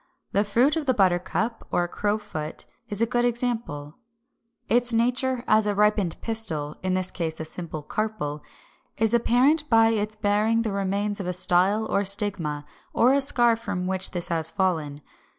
The fruit of the Buttercup or Crowfoot is a good example, Fig. 376, 377. Its nature, as a ripened pistil (in this case a simple carpel), is apparent by its bearing the remains of a style or stigma, or a scar from which this has fallen.